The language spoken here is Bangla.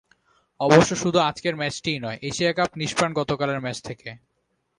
অবশ্য শুধু আজকের ম্যাচটিই নয়, এশিয়া কাপ নিষ্প্রাণ গতকালের ম্যাচ থেকে।